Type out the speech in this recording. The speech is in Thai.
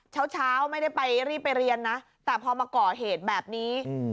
เช้าไม่ได้ไปรีบไปเรียนนะแต่พอมาก่อเหตุแบบนี้